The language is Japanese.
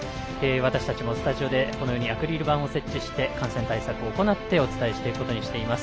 私たちもスタジオでアクリル板を設置して感染対策を行ってお伝えしていくことにしています。